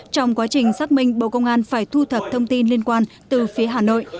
trong quá trình xác minh bộ công an phải thu thập thông tin liên quan từ phía hà nội